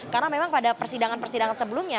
karena memang pada persidangan persidangan sebelumnya